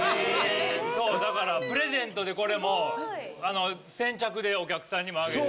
だからプレゼントでこれも先着でお客さんにもあげて。